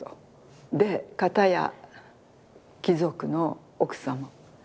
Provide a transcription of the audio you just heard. で片や貴族の奥様。